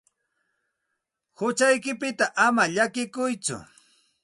Huchaykipita ama llakikuytsu.